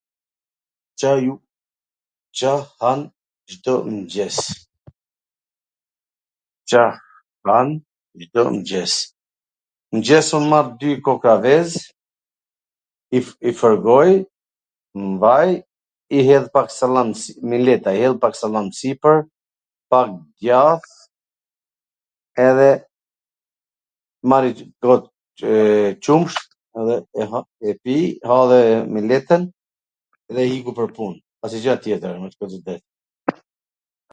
Ca han Cdo mngjes? Mwngjes un marr dy kokrra vez, i fwrgoj nw vaj, i hedh pak sallam -meleta- i hedh pak sallam sipwr, pak djath, edhe marri qumsht, e pi, ha dhe meletwn edhe iku pwr pun, asnjw gja tjetwr me thwn tw drejtwn.